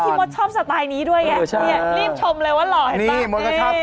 ชอบสไตล์นี้ด้วยอี๊ะรีบชมเลยว่าเหล่าเห็นตั้ง